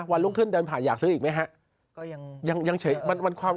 วันรุ่งขึ้นเดินผ่านอยากซื้ออีกไหมครับ